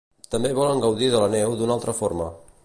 També volen gaudir de la neu d'una altra forma.